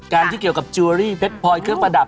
ที่เกี่ยวกับจัวรี่เพชรพลอยเครื่องประดับ